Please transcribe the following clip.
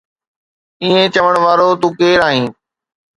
ائين چوڻ وارو تون ڪير آهين؟